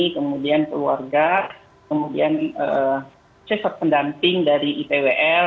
kemudian keluarga kemudian sesat pendamping dari ipwl